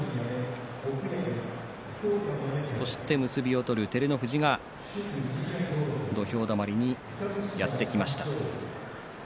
そして結びを取る照ノ富士が土俵だまりにやってきました。